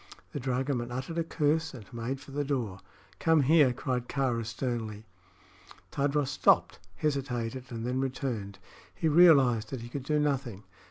The dragoman uttered a curse and made for the door. "Come here!" cried Kāra, sternly. Tadros stopped, hesitated, and then returned. He realized that he could do nothing.